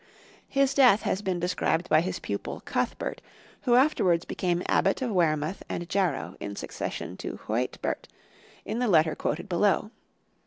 His death has been described by his pupil, Cuthbert, who afterwards became Abbot of Wearmouth and Jarrow in succession to Huaetbert, in the letter quoted below.